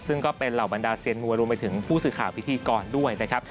ซึ่งก็เป็นเหล่าบรรดาเซียนมวยรวมไปถึงผู้สื่อข่าวพิธีกรด้วยนะครับ